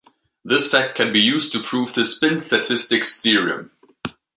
This fact can be used to prove the spin-statistics theorem.